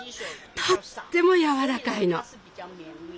とってもやわらかいの。